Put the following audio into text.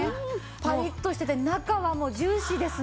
パリッとしてて中はもうジューシーですね。